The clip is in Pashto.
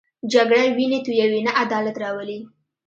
جګړه وینې تویوي، نه عدالت راولي